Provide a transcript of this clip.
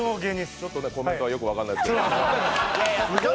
ちょっとコメントは、よく分かんないですけど。